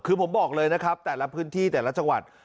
คือผมบอกเลยนะครับแต่ละพื้นที่แต่ละจังหวัด